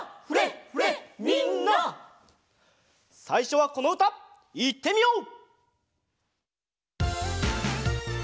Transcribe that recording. さいしょはこのうたいってみよう！